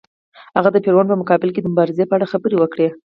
هغه د فرعون په مقابل کې د مبارزې په اړه خبرې وکړې.